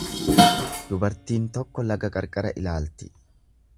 Dubartiin tokko laga qarqara ilaalti.